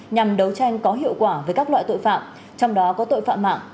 nhằm đấu tranh có hiệu quả với các loại tội phạm trong đó có tội phạm mạng